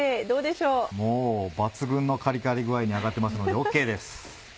もう抜群のカリカリ具合に揚がってますのでＯＫです。